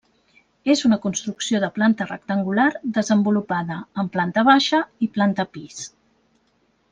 És una construcció de planta rectangular desenvolupada en planta baixa i planta pis.